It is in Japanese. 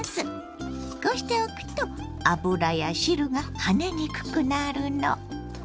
こうしておくと油や汁が跳ねにくくなるの。